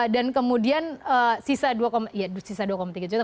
dan kemudian sisa dua tiga juta